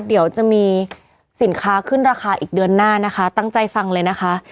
เดี๋ยวจะมีสินค้าขึ้นราคาอีกเดือนหน้านะคะตั้งใจฟังเลยนะคะ